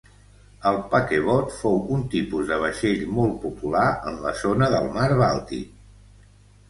El paquebot fou un tipus de vaixell molt popular en la zona del mar Bàltic.